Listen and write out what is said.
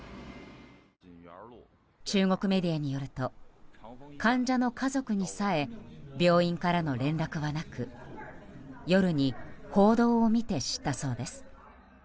中国メディアによると患者の家族にさえ病院からの連絡はなく夜に報道を見て知ったそうです。